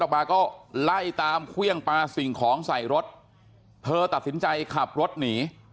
ออกมาก็ไล่ตามเครื่องปลาสิ่งของใส่รถเธอตัดสินใจขับรถหนี